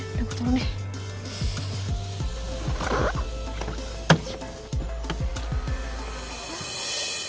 aduh gua turun nih